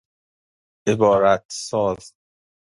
عبارت ساز